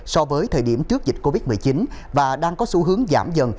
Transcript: so với thời điểm trước dịch covid một mươi chín và đang có xu hướng giảm dần